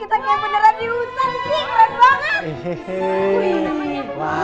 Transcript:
wah ada zebra